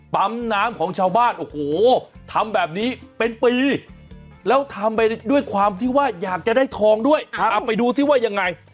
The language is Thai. ปั๊มน้ำของชาวบ้านทำแบบนี้เป็นปีแล้วทำด้วยความอยากจะได้ทองด้วยเอาไปดูซิว่าอย่างไร